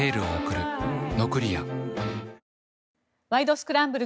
スクランブル」